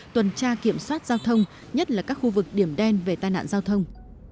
tuần tra kiểm soát giao thông nhất là các khu vực điểm đen về tai nạn giao thông